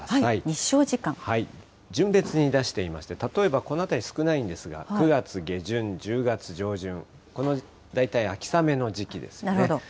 旬別に出してみまして、例えばこのあたり少ないんですが、９月下旬、１０月上旬、この大体秋雨の時期ですね。